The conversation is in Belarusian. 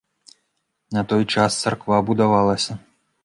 На той час царква будавалася.